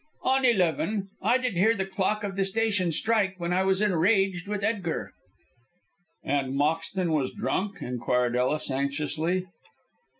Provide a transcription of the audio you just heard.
"On eleven. I did hear the clock of the station strike when I was enraged with Edgar." "And Moxton was drunk?" inquired Ellis, anxiously.